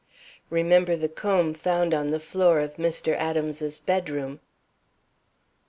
(Remember the comb found on the floor of Mr. Adams's bedroom.)